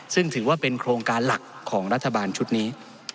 ซึ่งถือว่าเป็นโครงการหลักของรัฐบาลชุดนี้